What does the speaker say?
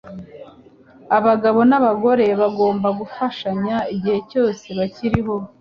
Abagabo n'abagore bagomba gufashanya igihe cyose bakiriho.